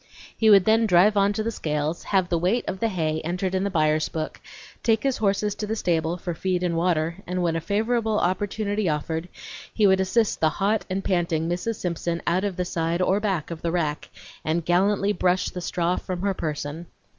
He would then drive on to the scales, have the weight of the hay entered in the buyer's book, take his horses to the stable for feed and water, and when a favorable opportunity offered he would assist the hot and panting Mrs. Simpson out of the side or back of the rack, and gallantly brush the straw from her person.